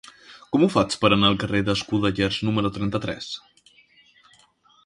Com ho faig per anar al carrer d'Escudellers número trenta-tres?